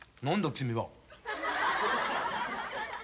君は。